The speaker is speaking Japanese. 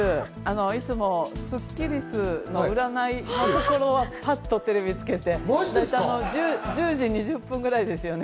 いつもスッキりすの占いをパッとテレビつけて１０時２０分ぐらいですよね。